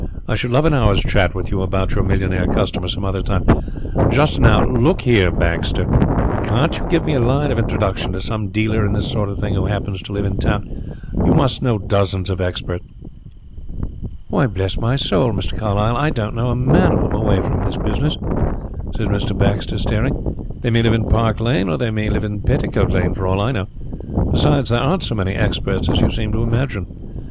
"I should love an hour's chat with you about your millionaire customers some other time. Just now look here, Baxter, can't you give me a line of introduction to some dealer in this sort of thing who happens to live in town? You must know dozens of experts." "Why, bless my soul, Mr. Carlyle, I don't know a man of them away from his business," said Mr. Baxter, staring. "They may live in Park Lane or they may live in Petticoat Lane for all I know. Besides, there aren't so many experts as you seem to imagine.